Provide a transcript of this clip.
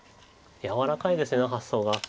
柔らかいです発想が。